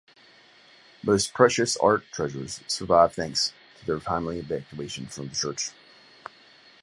Most precious art treasures survived thanks to their timely evacuation from the church.